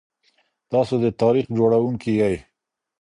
تاسو د تاريخ جوړونکي يئ.